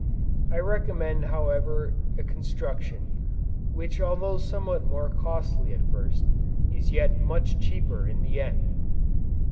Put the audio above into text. I recommend however a construction, which although somewhat more costly at first, is yet much cheaper in the end.